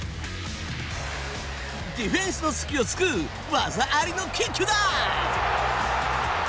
ディフェンスの隙をつく技ありのキックだ。